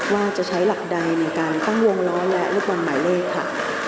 ว่าจะใช้หลักใดในการตั้งวงล้อและลูกบอลหมายเลขค่ะ